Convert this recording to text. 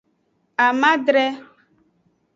Amadre.